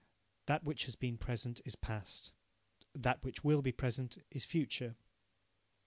That which has been present is Past, that which will be present is Future.